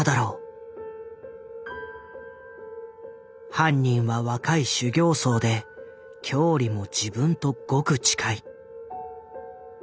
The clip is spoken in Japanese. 犯人は若い修行僧で郷里も自分とごく近い。